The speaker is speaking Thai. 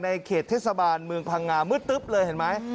เขตเทศบาลเมืองพังงามืดตึ๊บเลยเห็นไหม